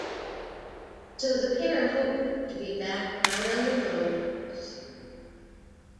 So the pair hoped to be "back out on the road" soon.